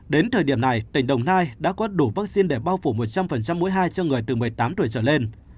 đến thời điểm này tỉnh đồng nai đã có đủ vaccine để bao phủ một trăm linh mỗi hai cho người từ một mươi tám tuổi trở lên